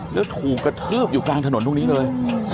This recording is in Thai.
แล้วถูกกระทืบอยู่กลางถนนตรงนี้เลย